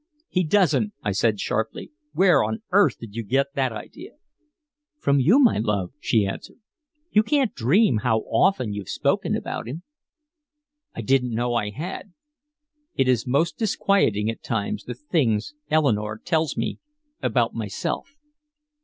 "He doesn't," I said sharply. "Where on earth did you get that idea?" "From you, my love," she answered. "You can't dream how often you've spoken about him." "I didn't know I had!" It is most disquieting at times, the things Eleanore tells me about myself.